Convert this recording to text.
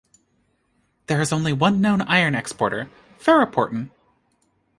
There is only one known iron exporter, ferroportin.